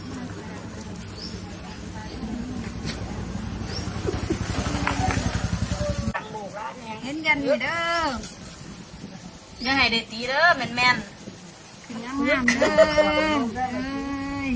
ให้เชิญแรงเลย